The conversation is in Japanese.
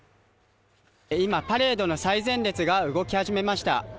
今、パレードの最前列が動き始めました。